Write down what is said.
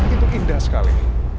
itu indah sekali